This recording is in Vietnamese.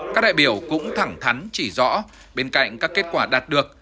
các đại biểu cũng thẳng thắn chỉ rõ bên cạnh các kết quả đạt được